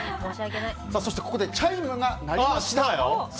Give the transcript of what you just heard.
ここでチャイムが鳴りました。